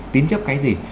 tín chấp cái gì